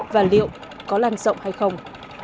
và liệu có lan rộng hay không